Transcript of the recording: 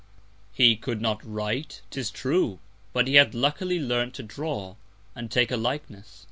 He could not write, 'tis true, but he had luckily learnt to draw, and take a Likeness.